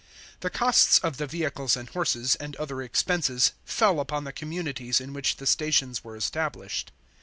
The costs of the vehicles and horses, and other expenses, fell upon the communities in which the stations were established.